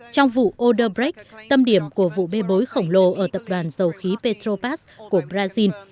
trong vụ odebrecht tâm điểm của vụ bê bối khổng lồ ở tập đoàn dầu khí petropass của brazil